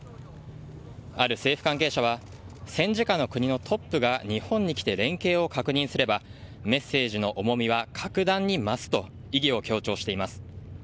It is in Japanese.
ある政府関係者は戦時下の国のトップが日本に来て連携を確認すればメッセージの重みは格段に増すと意義を強調しています。